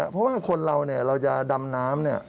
เพราะว่าคนเราเนี่ยเราจะดำน้ำเนี่ย